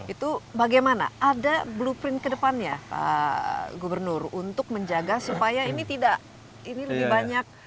itu bagaimana ada blueprint ke depannya pak gubernur untuk menjaga supaya ini tidak ini lebih banyak